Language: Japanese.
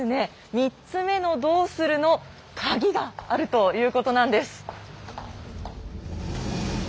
３つ目の「どうする⁉」のカギがあるということなんです。